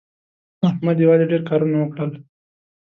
احمد یوازې ډېر کارونه وکړل.